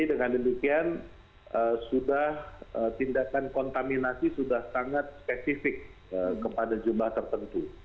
jadi dengan demikian sudah tindakan kontaminasi sudah sangat spesifik kepada jumlah tertentu